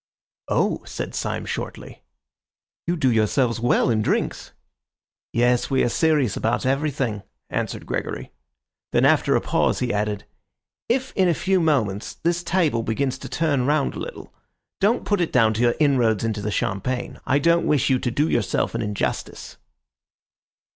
"Oh!" said Syme shortly. "You do yourselves well in drinks." "Yes, we are serious about everything," answered Gregory. Then after a pause he added— "If in a few moments this table begins to turn round a little, don't put it down to your inroads into the champagne. I don't wish you to do yourself an injustice."